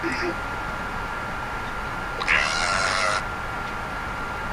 They have two grown children, daughter Alexis and son Jason, and three grandchildren.